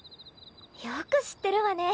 よく知ってるわね